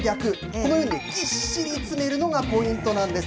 このようにぎっしり詰めるのがポイントなんです。